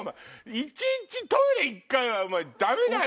一日トイレ１回はダメだよ！